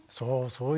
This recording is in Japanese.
そう。